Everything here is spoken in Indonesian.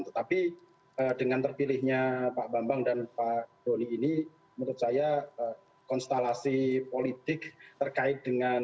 tetapi dengan terpilihnya pak bambang dan pak doni ini menurut saya konstelasi politik terkait dengan